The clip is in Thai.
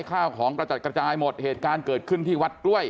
ข้าวของกระจัดกระจายหมดเหตุการณ์เกิดขึ้นที่วัดกล้วย